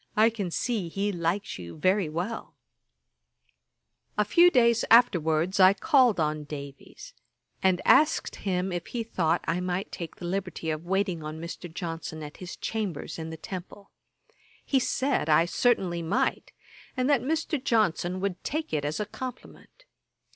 I can see he likes you very well.' [Page 369: The Giant in his den. A.D. 1763.] A few days afterwards I called on Davies, and asked him if he thought I might take the liberty of waiting on Mr. Johnson at his Chambers in the Temple. He said I certainly might, and that Mr. Johnson would take it as a compliment.